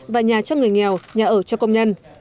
và nhà cho người nghèo nhà ở cho công nhân